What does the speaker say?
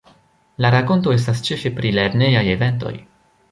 La rakonto estas ĉefe pri lernejaj eventoj.